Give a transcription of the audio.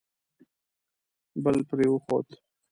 بل پرې وخوت.